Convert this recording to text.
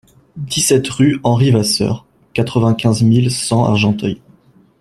dix-sept rue Henri Vasseur, quatre-vingt-quinze mille cent Argenteuil